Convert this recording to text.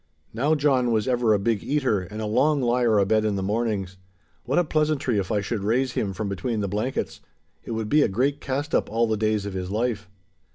Now John was ever a big eater and a long lier abed in the mornings. What a pleasantry if I should raise him from between the blankets! It would be a great cast up all the days of his life.